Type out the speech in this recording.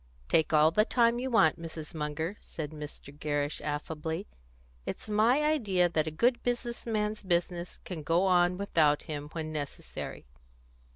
"Take all the time you want, Mrs. Munger," said Mr. Gerrish affably. "It's my idea that a good business man's business can go on without him, when necessary."